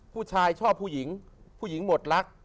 ผู้หญิงหมดรัก